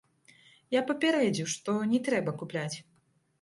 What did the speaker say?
Я папярэдзіў, што не трэба купляць.